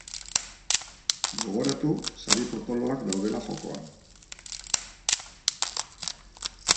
Gogoratu sari potoloak daudela jokoan!